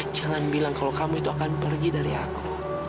jangan bilang kalau kamu itu akan pergi dari aku